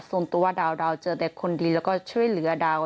ส่วนตัวดาวเจอแต่คนดีแล้วก็ช่วยเหลือดาว